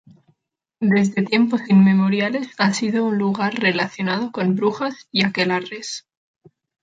Desde tiempos inmemoriales ha sido un lugar relacionado con brujas y aquelarres.